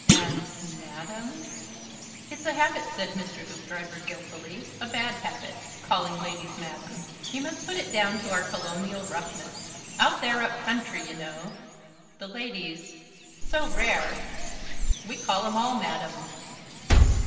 "And Madam?" "It's a habit," said Mr. Hoopdriver, guiltily. "A bad habit. Calling ladies Madam. You must put it down to our colonial roughness. Out there up country y'know the ladies so rare we call 'em all Madam."